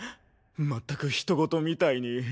まったく人ごとみたいに。